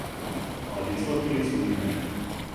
Ale výsledky jsou jiné.